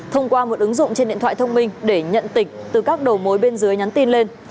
thông qua một ứng dụng trên điện thoại thông minh để nhận tịch từ các đầu mối bên dưới nhắn tin lên